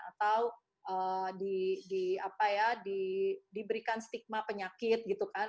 atau diberikan stigma penyakit gitu kan